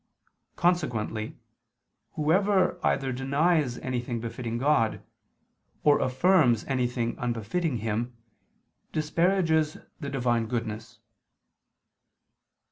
Consequently whoever either denies anything befitting God, or affirms anything unbefitting Him, disparages the Divine goodness.